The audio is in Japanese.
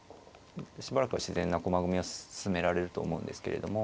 しばらくは自然な駒組みを進められると思うんですけれども。